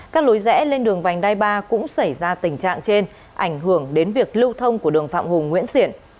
các lối rẽ lên đường vành đai ba cũng xảy ra tình trạng trên ảnh hưởng đến việc lưu thông của đường phạm hùng nguyễn xiển